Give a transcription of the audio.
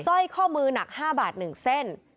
สร้อยข้อมือหนัก๕บาท๑เส้น